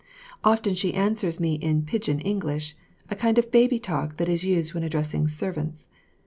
Often she answers me in "pidgin" English, a kind of baby talk that is used when addressing servants.